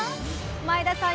前田さん